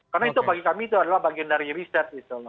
karena bagi kami itu adalah bagian dari riset